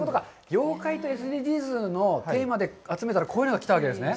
妖怪とＳＤＧｓのテーマで集めたら、こういうのが来たわけですね。